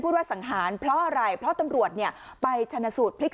ว่าสังหารเพราะอะไรเพราะตำรวจเนี่ยไปชนะสูตรพลิก